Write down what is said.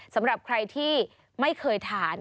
สำหรับใครที่ไม่เคยทาน